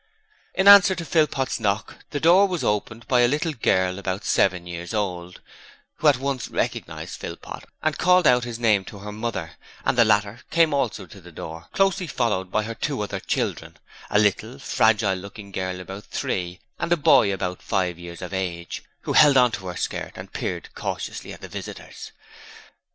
In answer to Philpot's knock, the door was opened by a little girl about seven years old, who at once recognized Philpot, and called out his name to her mother, and the latter came also to the door, closely followed by two other children, a little, fragile looking girl about three, and a boy about five years of age, who held on to her skirt and peered curiously at the visitors.